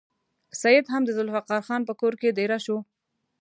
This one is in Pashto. سید هم د ذوالفقار خان په کور کې دېره شو.